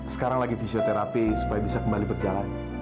sekarang lagi fisioterapi supaya bisa kembali berjalan